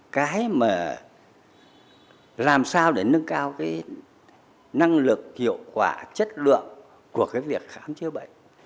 và làm sao để nâng cao cái năng lực hiệu quả chất lượng của cái việc khám chữa bệnh